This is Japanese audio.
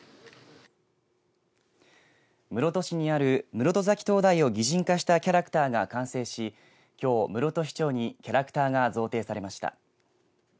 室戸市にある室戸岬灯台を擬人化したキャラクターが完成しきょう室戸市長にキャラクターが贈呈されました。